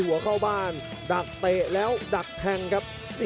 โอ้โหไม่พลาดกับธนาคมโด้แดงเขาสร้างแบบนี้